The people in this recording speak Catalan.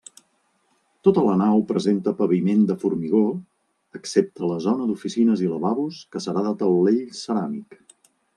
Tota la nau presenta paviment de formigó excepte la zona d'oficines i lavabos que serà de taulell ceràmic.